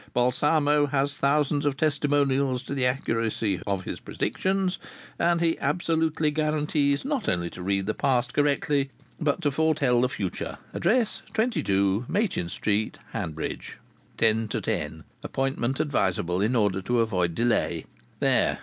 Balsamo has thousands of testimonials to the accuracy of his predictions, and he absolutely guarantees not only to read the past correctly, but to foretell the future. Address: 22 Machin Street, Hanbridge. 10 to 10. Appointment advisable in order to avoid delay.' There!